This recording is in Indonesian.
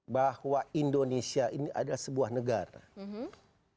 bahwa indonesia ini adalah sebuah negara